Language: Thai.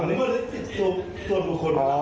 ลำเมอริกสิทธิ์ส่วนบุคคล